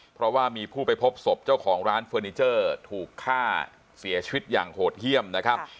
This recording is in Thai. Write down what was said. เพราะว่ามีผู้ไปพบศพเจ้าของร้านเฟอร์นิเจอร์ถูกฆ่าเสียชีวิตอย่างโหดเยี่ยมนะครับ